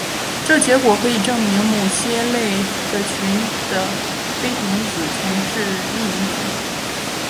这结果可以证明某些类的群的菲廷子群是幂零群。